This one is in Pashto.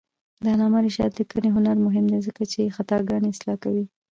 د علامه رشاد لیکنی هنر مهم دی ځکه چې خطاګانې اصلاح کوي.